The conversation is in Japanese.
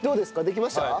できましたか？